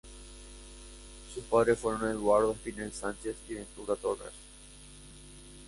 Sus padres fueron Eduardo Espinel Sánchez y Ventura Torres.